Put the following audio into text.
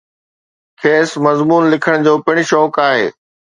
کيس مضمون لکڻ جو پڻ شوق آهي.